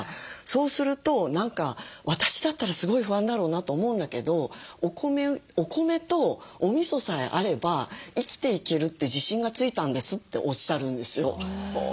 そうすると何か私だったらすごい不安だろうなと思うんだけど「お米とおみそさえあれば生きていけるって自信がついたんです」っておっしゃるんですよ。